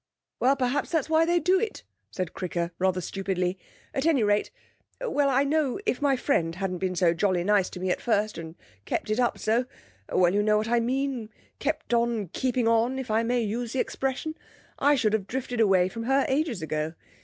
'Well, perhaps that's why they do it,' said Cricker rather stupidly. 'At any rate oh, well, I know if my friend hadn't been so jolly nice to me at first and kept it up so oh, well, you know what I mean kept on keeping on, if I may use the expression, I should have drifted away from her ages ago.